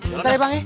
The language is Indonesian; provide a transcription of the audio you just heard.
bentar ya bang